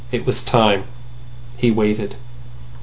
It was time. He waited.